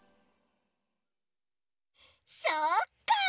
そっか！